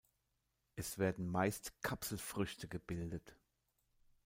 Es werden meist Kapselfrüchte gebildet.